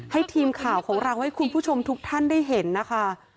ให้ทีมข่าวของเราให้คุณผู้ชมทุกท่านได้เห็นนะคะ